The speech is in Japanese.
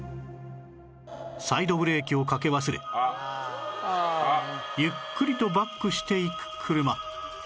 サイドブレーキをかけ忘れゆっくりとバックしていく車